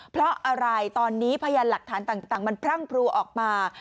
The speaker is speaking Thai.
เพราะอะไรตอนนี้พยานหลักฐานต่างมันพรั่งพรูออกมา